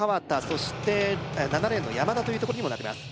そして７レーンの山田というところにもなります